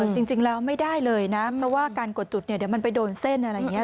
จริงแล้วไม่ได้เลยนะเพราะว่าการกดจุดเนี่ยเดี๋ยวมันไปโดนเส้นอะไรอย่างนี้